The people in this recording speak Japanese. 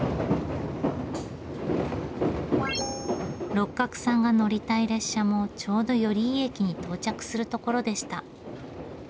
六角さんが乗りたい列車もちょうど寄居駅に到着するところでした。